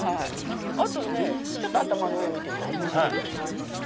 あとねちょっと頭の上見ていただけます？